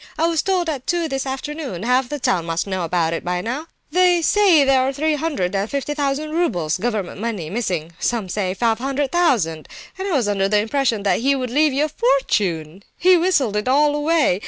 I was told at two this afternoon. Half the town must know it by now. They say there are three hundred and fifty thousand roubles, government money, missing; some say five hundred thousand. And I was under the impression that he would leave you a fortune! He's whistled it all away.